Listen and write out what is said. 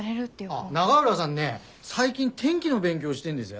あっ永浦さんね最近天気の勉強してんです。